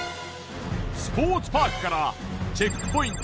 スポーツパークからチェックポイント